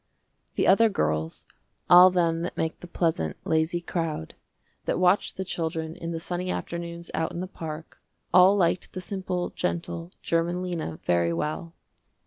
The other girls, all them that make the pleasant, lazy crowd, that watch the children in the sunny afternoons out in the park, all liked the simple, gentle, german Lena very well.